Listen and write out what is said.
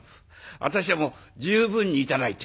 私はもう十分に頂いて。